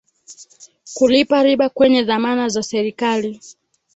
kulipa riba kwenye dhamana za serikali